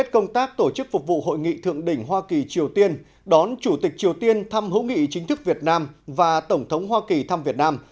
tổ chức phục vụ hội nghị thượng đỉnh hoa kỳ triều tiên đón chủ tịch triều tiên thăm hữu nghị chính thức việt nam và tổng thống hoa kỳ thăm việt nam